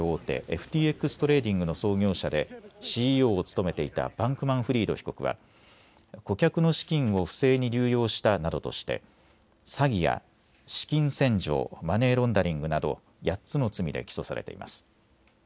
ＦＴＸトレーディングの創業者でＣＥＯを務めていたバンクマンフリード被告は顧客の資金を不正に流用したなどとして詐欺や資金洗浄・マネーロンダリングなど８つの罪で起訴されています。